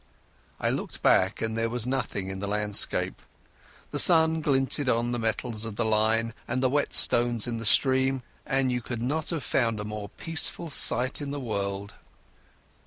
I looked back, but there was nothing in the landscape. The sun glinted on the metals of the line and the wet stones in the stream, and you could not have found a more peaceful sight in the world.